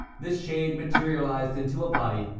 This shade materialized into a body.